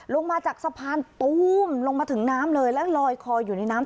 ลงมาจากสะพานตู้มลงมาถึงน้ำเลยแล้วลอยคออยู่ในน้ำ